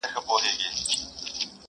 یو لوی مرض دی لویه وبا ده٫